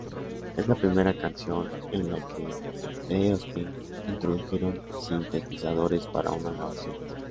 Es la primera canción en la que The Offspring introdujeron sintetizadores para una grabación.